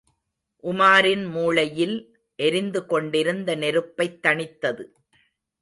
உமாரின் மூளையில் எரிந்து கொண்டிருந்த நெருப்பைத் தணித்தது.